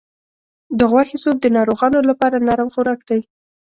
د غوښې سوپ د ناروغانو لپاره نرم خوراک دی.